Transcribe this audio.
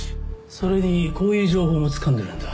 それにこういう情報もつかんでるんだ。